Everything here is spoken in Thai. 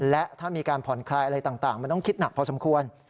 และถ้ามีการผ่อนคลายอะไรต่างมันต้องคิดหนักพอสมควร